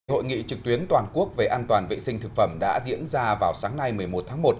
hội nghị trực tuyến toàn quốc về an toàn vệ sinh thực phẩm đã diễn ra vào sáng nay một mươi một tháng một